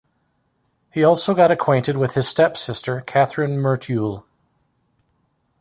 He also got acquainted with his stepsister Kathryn Merteuil.